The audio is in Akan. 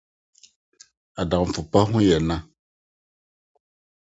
Adamfo pa ho yɛ na.